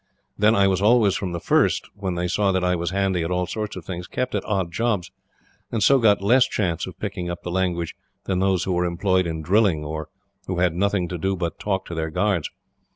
Then I was always, from the first, when they saw that I was handy at all sorts of things, kept at odd jobs, and so got less chance of picking up the language than those who were employed in drilling, or who had nothing to do but talk to their guards.